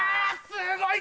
すごい。